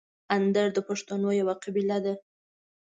اندړ د پښتنو یوه قبیله ده.